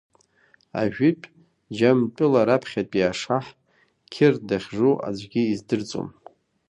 Ажәытә Џьамтәыла раԥхьатәи ашаҳ қьыр дахьжу аӡәгьы издырӡом.